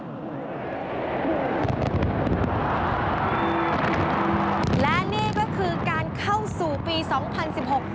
และนี่ก็คือการเข้าสู่ปี๒๐๑๖